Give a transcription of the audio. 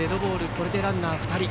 これでランナー２人。